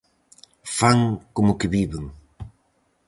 Fan como que viven!